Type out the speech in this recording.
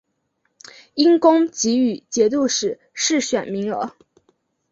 因功给予节度使世选名额。